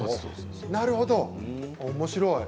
なるほどおもしろい。